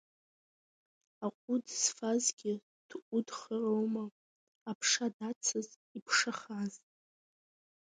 Аҟәыд зфазгьы дҟәыдхароума, аԥша дацыз иԥшахаз.